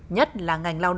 nhất là ngành đoàn thể